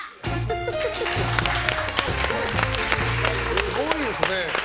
すごいですね。